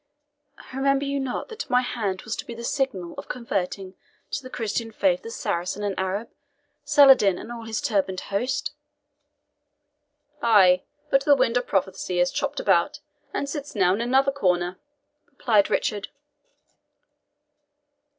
"Remember you not that my hand was to be the signal of converting to the Christian faith the Saracen and Arab, Saladin and all his turbaned host?" "Ay, but the wind of prophecy hath chopped about, and sits now in another corner," replied Richard.